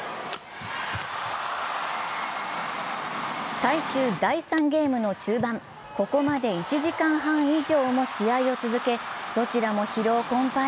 最終第３ゲームの中盤、ここまで１時間半以上の試合を続け、どちらも疲労困ぱい。